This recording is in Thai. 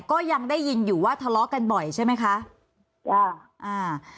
ก็ยังได้ยินอยู่ว่าทะเลาะกันบ่อยใช่ไหมคะจ้ะอ่า